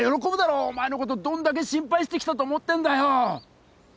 お前のことどんだけ心配してきたと思ってんだよ。